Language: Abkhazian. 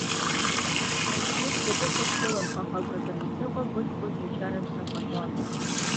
Уажәазы сшьапы сықәгылам, аха агәра ганы сыҟоуп быҷкәын ичара сшахатәо ала.